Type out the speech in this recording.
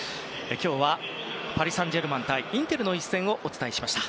今日は、パリ・サンジェルマン対インテルの一戦をお伝えしました。